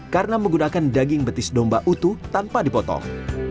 karena menggunakan daging betis domba utuh tanpa dipotong